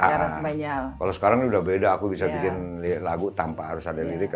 kalau sekarang udah beda aku bisa bikin lagu tanpa harus ada lirik